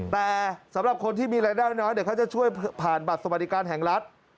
แต่สำหรับคนที่มีรายได้น้อยเดี๋ยวเขาจะช่วยผ่านบัตรสวัสดิการแห่งรัฐ